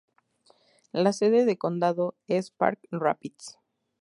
La sede de condado es Park Rapids.